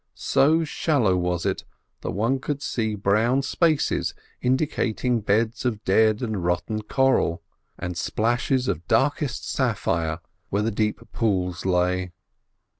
So shallow was it that one could see brown spaces indicating beds of dead and rotten coral, and splashes of darkest sapphire where the deep pools lay.